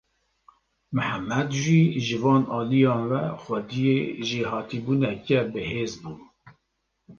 Mihemed jî ji wan aliyan ve xwediyê jêhatîbûneke bihêz bû.